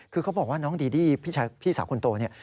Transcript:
คือเขาบอกว่าน้องดีดี้พี่สาวคนโตเนี่ย